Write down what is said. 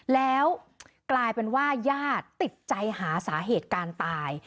แล้วกลายเป็นว่าญาติติดใจหาสาเหตุการตาย